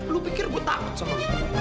lu pikir gue takut soalnya